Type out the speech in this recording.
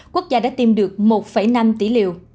quốc gia đã tiêm được một năm tỷ liều